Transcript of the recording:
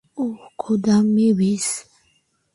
ওহ, খোদা, মেভিস!